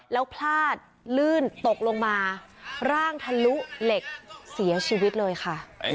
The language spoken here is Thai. แล้วพลาดลื่นตกลงมาร่างทะลุเหล็กเสียชีวิตเลยค่ะ